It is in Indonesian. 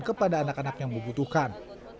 kepada anak anak yang membutuhkan